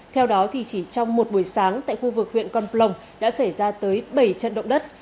theo đó thì chỉ trong một buổi sáng tại khu vực huyện con plong đã xảy ra tới bảy trận động đất